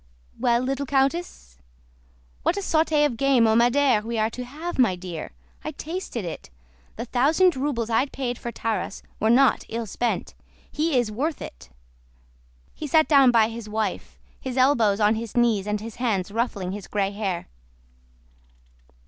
"Well, little countess? What a sauté of game au madère we are to have, my dear! I tasted it. The thousand rubles I paid for Tarás were not ill spent. He is worth it!" He sat down by his wife, his elbows on his knees and his hands ruffling his gray hair.